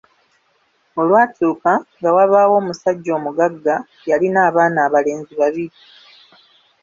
Olwatuuka, nga wabawo omussajja omuggaga, yalina abaana abalenzi babbiri.